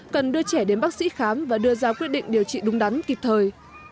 cần đưa trẻ đến bác sĩ khám và đưa ra quyết định điều trị đúng đắn kịp thời